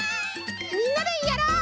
みんなでやろう！